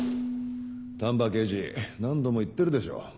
丹波刑事何度も言ってるでしょ。